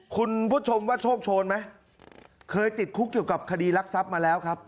คุณผู้ชมว่าโชคโชนไหมเคยติดคุกเกี่ยวกับคดีรักทรัพย์มาแล้วครับ